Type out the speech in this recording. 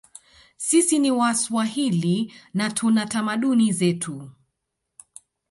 Sisi ni waswahili na tuna tamaduni zetu